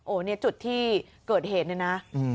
โอ้นี่จุดที่เกิดเหตุเลยนะ